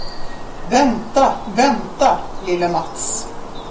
Vänta, vänta, lille Mats!